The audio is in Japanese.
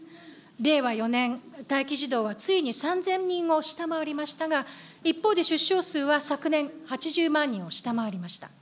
令和４年、待機児童はついに３０００人を下回りましたが、一方で出生数は昨年８０万人を下回りました。